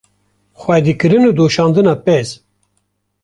xwedîkirin û doşandina pez